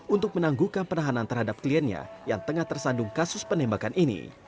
untuk menangguhkan penahanan terhadap kliennya yang tengah tersandung kasus penembakan ini